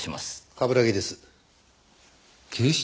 冠城です。